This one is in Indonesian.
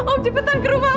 om cepetan ke rumah